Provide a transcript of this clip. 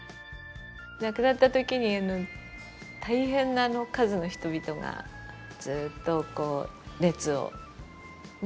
亡くなった時に大変な数の人々がずっとこう列をね。